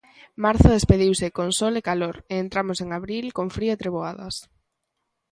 Marzo despediuse con sol e calor, e entramos en abril con frío e treboadas.